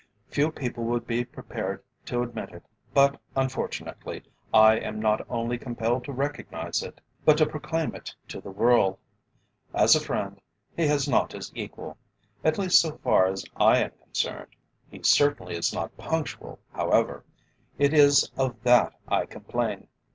Few people would be prepared to admit it, but unfortunately, I am not only compelled to recognise it, but to proclaim it to the world. As a friend, he has not his equal at least so far as I am concerned; he is certainly not punctual, however. It is of that I complain.